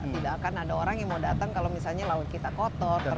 tidak akan ada orang yang mau datang kalau misalnya laut kita kotor